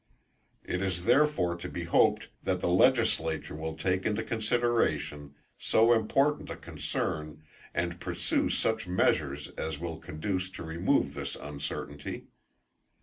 It is therefore to be hoped that the legislature will take into consideration so important a concern, and pursue such measures as will conduce to remove this uncertainty.